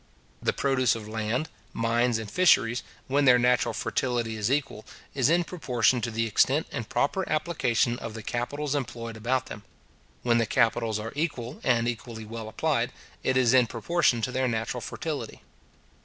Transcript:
The produce of land, mines, and fisheries, when their natural fertility is equal, is in proportion to the extent and proper application of the capitals employed about them. When the capitals are equal, and equally well applied, it is in proportion to their natural fertility.